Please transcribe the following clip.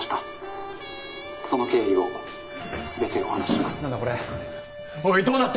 「その経緯を全てお話しします」なんだ？